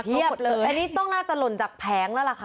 อันนี้ต้องน่าจะหล่นจากแผงแล้วล่ะค่ะ